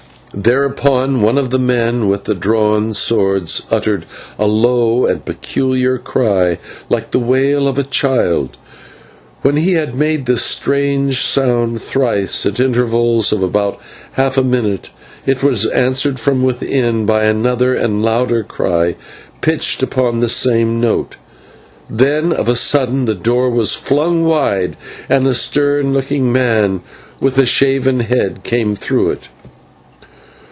Thereupon one of the men with the drawn swords uttered a low and peculiar cry like to the wail of a child. When he had made this strange sound thrice at intervals of about half a minute, it was answered from within by another and a louder cry pitched upon the same note. Then of a sudden the door was flung wide, and a stern looking man with a shaven head came through it.